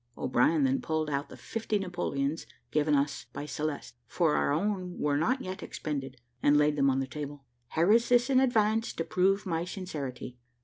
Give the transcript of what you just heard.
O'Brien then pulled out the fifty Napoleons given us by Celeste, for our own were not yet expended, and laid them on the table. "Here is this in advance, to prove my sincerity.